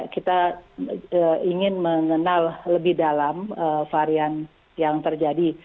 kita ingin mengenal lebih dalam varian yang terjadi